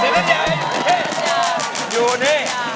สีธัญญาเฮ่ยอยู่นี่